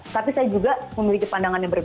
tapi saya juga memiliki pandangan yang berbeda